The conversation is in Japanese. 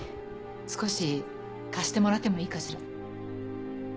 少し貸してもらってもいいかしら？